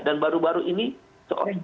dan baru baru ini seorang